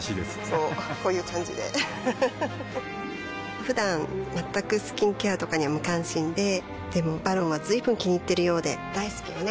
こうこういう感じでうふふふだん全くスキンケアとかに無関心ででも「ＶＡＲＯＮ」は随分気にいっているようで大好きよね